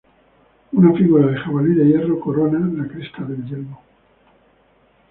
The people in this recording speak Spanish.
Una figura de jabalí de hierro corona la cresta del yelmo.